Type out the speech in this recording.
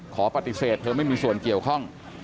ขอปฏิเสธเธอไม่มีส่วนเกี่ยวข้อง